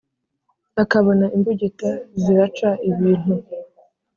Akabona imbugita ziraca ibintu.